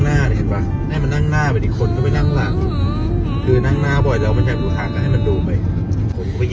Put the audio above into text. มีความรู้สึกว่ามีความรู้สึกว่ามีความรู้สึกว่ามีความรู้สึกว่ามีความรู้สึกว่ามีความรู้สึกว่ามีความรู้สึกว่ามีความรู้สึกว่า